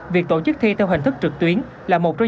việc tổ chức thi theo hình thức trực tuyến là một doanh nghiệp